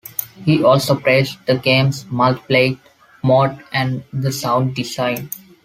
He also praised the game's multiplayer mode and the sound design.